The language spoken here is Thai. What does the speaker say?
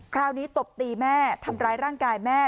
คราวนี้ตบตีแม่ทำร้ายร่างกายแม่